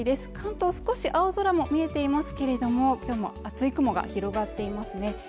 少し青空も見えていますけれどもきょうも厚い雲が広がっていますね